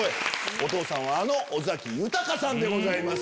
お父さんはあの尾崎豊さんでございます。